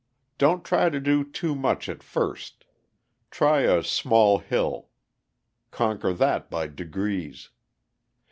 Don't try to do too much at first. Try a small hill. Conquer that by degrees.